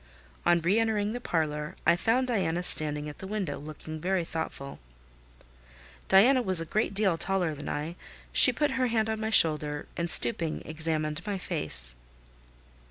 On re entering the parlour, I found Diana standing at the window, looking very thoughtful. Diana was a great deal taller than I: she put her hand on my shoulder, and, stooping, examined my face.